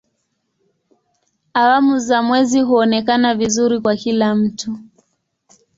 Awamu za mwezi huonekana vizuri kwa kila mtu.